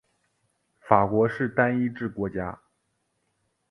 法国是单一制国家。